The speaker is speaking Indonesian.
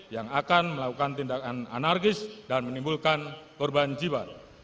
yang akan melakukan tindakan anarkis dan menimbulkan korban jiwa